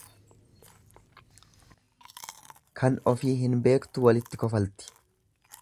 Kan ofi hin beektu walitti kofalti.